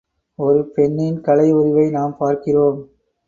ஒரு பெண்ணின் கலை உருவை நாம் பார்க்கிறோம்.